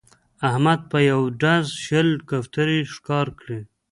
احمد په یوه ډز شل کوترې ښکار کړې